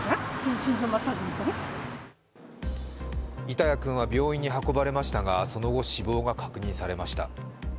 板谷君は病院に運ばれましたが、その後、死亡が確認されました。